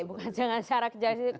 bukan dengan cara kerja sirkus